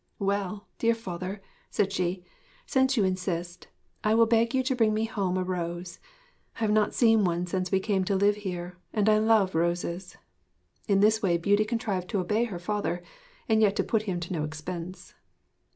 'Well, dear father,' said she, 'since you insist, I will beg you to bring me home a rose. I have not seen one since we came to live here, and I love roses.' In this way Beauty contrived to obey her father and yet to put him to no expense.